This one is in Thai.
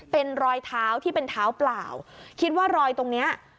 เป็นรอยเท้าที่เป็นเท้าเปล่าคิดว่ารอยตรงเนี้ย